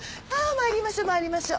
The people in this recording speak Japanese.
参りましょ参りましょ。